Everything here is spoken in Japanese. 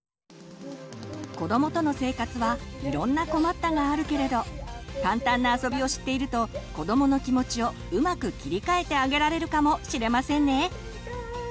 子どもとの生活はいろんな困ったがあるけれど簡単なあそびを知っていると子どもの気持ちをうまく切り替えてあげられるかもしれませんね！